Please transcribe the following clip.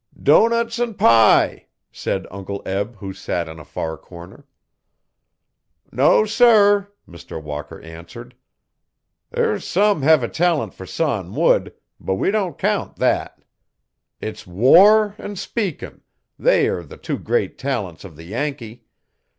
'Doughnuts an' pie,' said Uncle Be who sat in a far corner. 'No sir,' Mr Walker answered, 'there's some hev a talent fer sawin' wood, but we don't count that. It's war an' speakin', they are the two great talents of the Yankee.